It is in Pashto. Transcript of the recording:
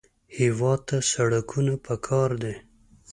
هېواد ته سړکونه پکار دي